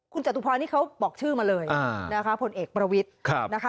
คุณจตุพรนี่เขาบอกชื่อมาเลยนะคะผลเอกประวิทย์นะคะ